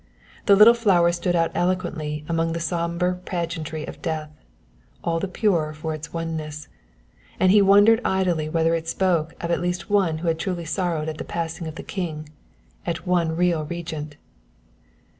The little flower stood out eloquently among the sombre pageantry of death, "all the purer for its oneness," and he wondered idly whether it spoke of at least one who had truly sorrowed at the passing of the king, at one real regret.